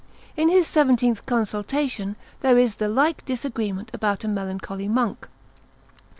In his seventeenth consultation there is the like disagreement about a melancholy monk.